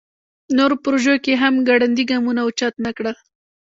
نورو پروژو کې یې هم ګړندي ګامونه اوچت نکړل.